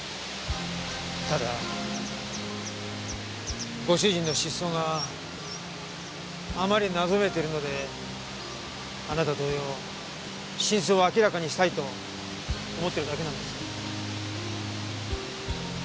ただご主人の失踪があまりに謎めいているのであなた同様真相を明らかにしたいと思ってるだけなんです。